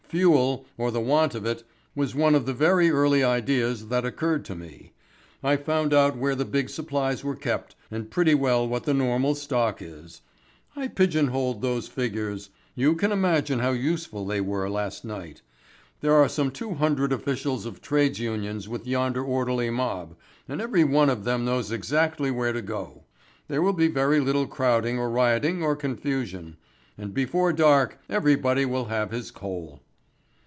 Fuel, or the want of it, was one of the very early ideas that occurred to me. I found out where the big supplies were kept, and pretty well what the normal stock is. I pigeon holed those figures. You can imagine how useful they were last night. There are some two hundred officials of Trades Unions with yonder orderly mob, and every one of them knows exactly where to go. There will be very little crowding or rioting or confusion. And before dark everybody will have his coal."